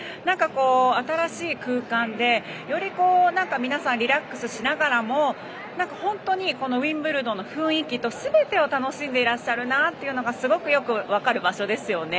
新しい空間で、より皆さんリラックスしながらも本当にウィンブルドンの雰囲気とすべてを楽しんでいらっしゃるのがすごくよく分かる場所ですよね。